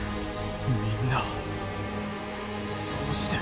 みんなどうして。